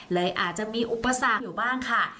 เลยอาจจะมีอุปสรรคอยู่บ้างค่ะ